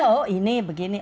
oh ini begini